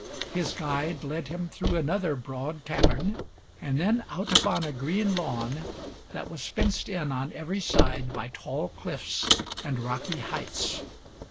His guide led him through another broad cavern and then out upon a green lawn that was fenced in on every side by tall cliffs and rocky heights.